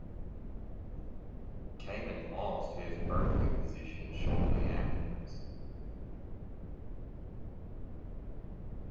Kamen lost his Berkeley position shortly afterwards.